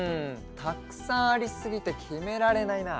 たくさんありすぎてきめられないな。